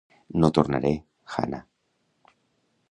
No tornaré, Hannah.